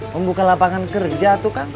membuka lapangan kerja tuh kan